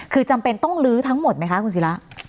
คือจำเป็นต้องลื้อทั้งหมดไหมคะคุณศิระ